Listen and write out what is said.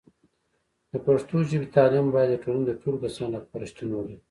د پښتو ژبې تعلیم باید د ټولنې د ټولو کسانو لپاره شتون ولري.